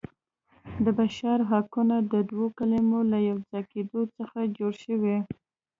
د بشر حقونه د دوو کلمو له یو ځای کیدو څخه جوړ شوي.